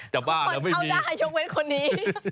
จับบ้านแล้วไม่มีเอาได้ยกเว้นคนนี้